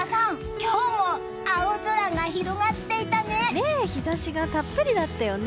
今日も青空が広がっていたね。